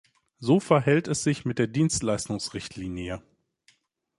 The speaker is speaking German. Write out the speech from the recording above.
So verhält es sich mit der Dienstleistungsrichtlinie.